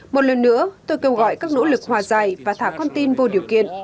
một lần nữa tôi kêu gọi các nỗ lực hòa giải và thả con tin vô điều kiện